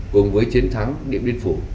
cùng với chiến thắng điện biên phủ